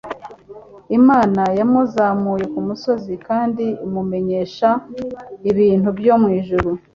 Imana yamuzamuye ku musozi kandi imumenyesha ibintu byo mu ijuru.